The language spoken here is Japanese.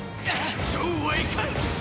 そうはいかんスシ！